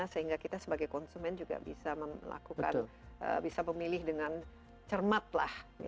sehingga kita sebagai konsumen juga bisa melakukan bisa memilih dengan cermat lah